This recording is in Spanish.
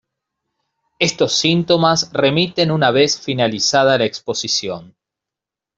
Estos síntomas remiten una vez finalizada la exposición.